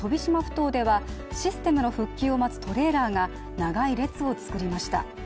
島ではシステムの復旧を待つトレーラーが長い列を作りました。